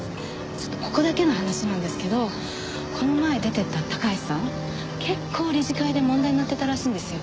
ちょっとここだけの話なんですけどこの前出ていった高橋さん結構理事会で問題になってたらしいんですよ。